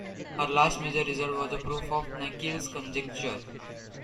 Her last major result was a proof of Nikiel's conjecture.